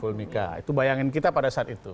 full mika itu bayangan kita pada saat itu